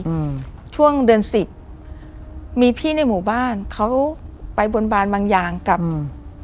อืมช่วงเดือนสิบมีพี่ในหมู่บ้านเขาไปบนบานบางอย่างกับอืม